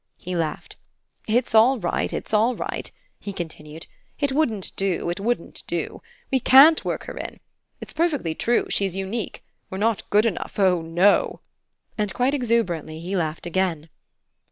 he laughed. "It's all right, it's all right," he continued. "It wouldn't do it wouldn't do. We CAN'T work her in. It's perfectly true she's unique. We're not good enough oh no!" and, quite exuberantly, he laughed again.